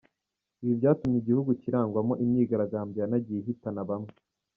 Ibi byatumye igihugu kirangwamo imyigaragambyo yanagiye ihitana bamwe.